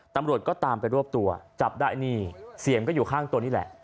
ตำรวจก็ตามไปรวบตัวจับได้นี่เสี่ยมก็อยู่ข้างตัวนี่แหละ